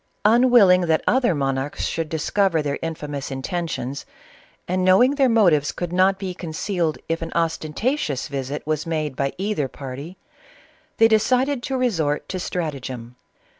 Unwil ling that other monarchs should discover their infamous intentions, and JKio'MJjg their motives could not be concealed if an ostentatious visit was made by either party, they decided to resort to stratagem.